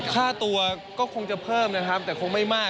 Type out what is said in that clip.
ข้าวตัวก็คงจะเพิ่มนะครับแต่ร่วมก็ไม่มาก